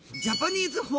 ジャパニーズ。